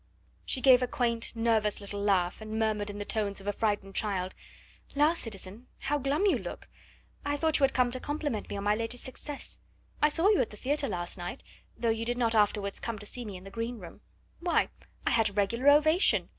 She gave a quaint, nervous little laugh, and murmured in the tones of a frightened child: "La, citizen, how glum you look! I thought you had come to compliment me on my latest success. I saw you at the theatre last night, though you did not afterwards come to see me in the green room. Why! I had a regular ovation!